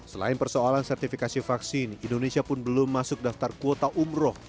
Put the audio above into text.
selain persoalan sertifikasi vaksin indonesia pun belum masuk daftar kuota umroh